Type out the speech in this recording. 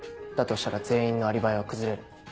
としたら全員のアリバイは崩れる。